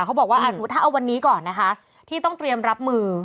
เขาบอกว่าสมมุติถ้าเอาวันนี้ก่อนนะคะที่ต้องเตรียมรับมือ